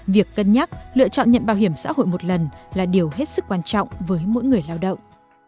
việc cân nhắc lựa chọn nhận bảo hiểm xã hội một lần là điều hết sức quan trọng với mỗi người lao động